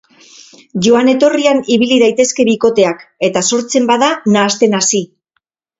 Joan etorrian ibili daitezke bikoteak eta sortzen bada nahasten hasi.